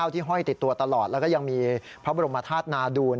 ห้อยติดตัวตลอดแล้วก็ยังมีพระบรมธาตุนาดูล